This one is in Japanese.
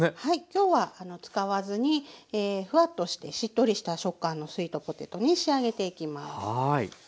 今日は使わずにフワッとしてしっとりした食感のスイートポテトに仕上げていきます。